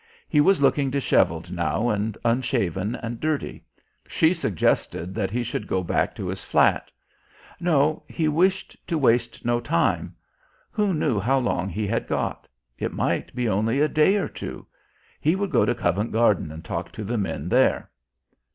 He was looking disheveled now and unshaven and dirty. She suggested that he should go back to his flat. No, he wished to waste no time. Who knew how long he had got? It might be only a day or two ... He would go to Covent Garden and talk to the men there.